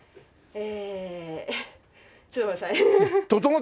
え